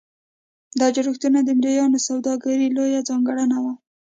دا جوړښتونه د مریانو سوداګري لویه ځانګړنه وه.